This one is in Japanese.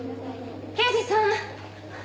刑事さん！